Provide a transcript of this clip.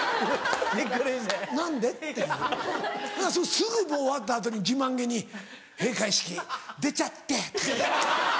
すぐもう終わった後に自慢げに「閉会式出ちゃった」とか。